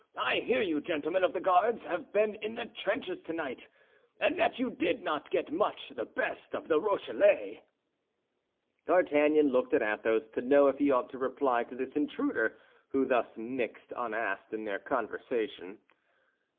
"I hear you gentlemen of the Guards have been in the trenches tonight, and that you did not get much the best of the Rochellais." D'Artagnan looked at Athos to know if he ought to reply to this intruder who thus mixed unasked in their conversation.